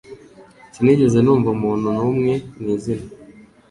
Sinigeze numva umuntu numwe mwizina